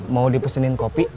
mau dipesenin kopi